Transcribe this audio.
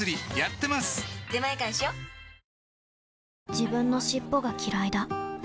自分の尻尾がきらいだ